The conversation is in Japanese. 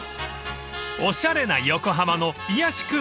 ［おしゃれな横浜の癒やし空間］